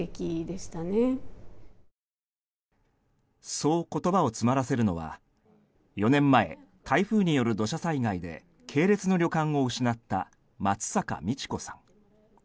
そう言葉を詰まらせるのは４年前、台風による土砂災害で系列の旅館を失った松坂美智子さん。